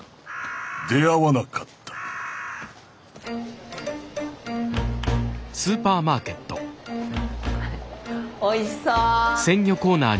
出会わなかったおいしそう。